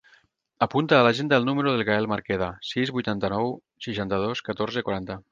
Apunta a l'agenda el número del Gaël Maqueda: sis, vuitanta-nou, seixanta-dos, catorze, quaranta.